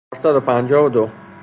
چهارصد و پنجاه و دو